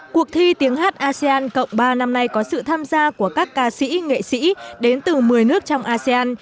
cuộc thi tiếng hát asean cộng ba năm nay có sự tham gia của các ca sĩ nghệ sĩ đến từ một mươi nước trong asean